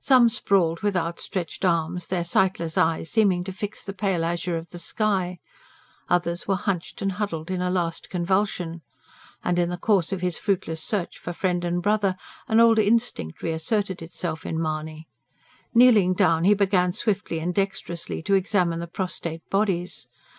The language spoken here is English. Some sprawled with outstretched arms, their sightless eyes seeming to fix the pale azure of the sky; others were hunched and huddled in a last convulsion. And in the course of his fruitless search for friend and brother, an old instinct reasserted itself in Mahony: kneeling down he began swiftly and dexterously to examine the prostrate bodies.